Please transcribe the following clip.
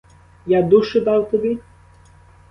Я душу дав тобі?